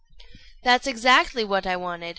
"That's exactly what I wanted.